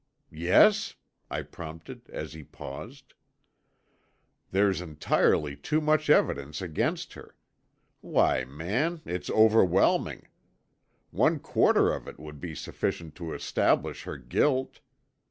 "Yes?" I prompted as he paused. "There's entirely too much evidence against her. Why, man, it's overwhelming! One quarter of it would be sufficient to establish her guilt!